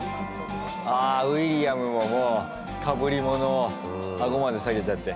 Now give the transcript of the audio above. ああウィリアムももうかぶりものを顎まで下げちゃって。